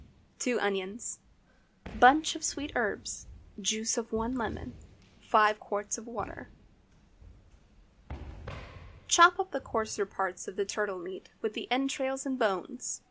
2 onions. Bunch of sweet herbs. Juice of one lemon. 5 qts of water. Chop up the coarser parts of the turtle meat, with the entrails and bones.